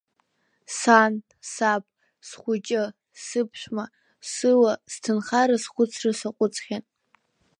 Сан, саб, схәыҷы, сыԥшәма, суа, сҭынха рызхәыцра саҟәыҵхьан.